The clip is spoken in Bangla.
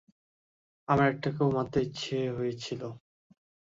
আমার একটাকে মারতে ইচ্ছা হয়েছিল।